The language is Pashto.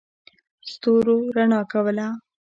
ستورو رڼا کوله.